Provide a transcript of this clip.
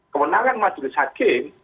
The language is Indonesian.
kemenangan majlis hakim